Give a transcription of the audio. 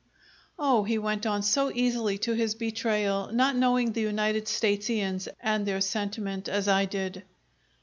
Oh, he went on so easily to his betrayal, not knowing the United Statesians and their sentiment, as I did.